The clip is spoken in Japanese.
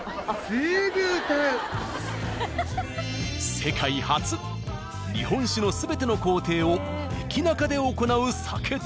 世界初日本酒の全ての工程をエキナカで行う酒店。